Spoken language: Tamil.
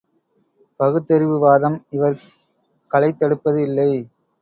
பகுத்தறிவு வாதம் இவர் களைத் தடுப்பது இல்லை.